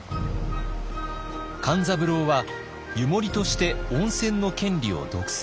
勘三郎は湯守として温泉の権利を独占。